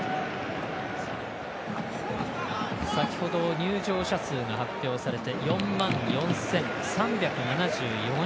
先ほど入場者数が発表されて４万４３７４人。